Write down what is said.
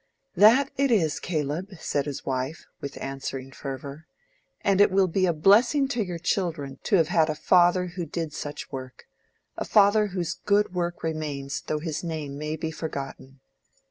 "That it is, Caleb," said his wife, with answering fervor. "And it will be a blessing to your children to have had a father who did such work: a father whose good work remains though his name may be forgotten."